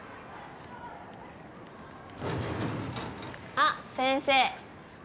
あっ先生。